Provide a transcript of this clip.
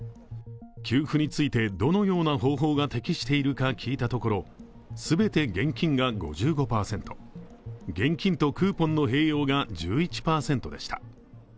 給付についてどのような方法が適しているか聞いたところ全て現金が５５％現金とクーポンの併用が１１％でした。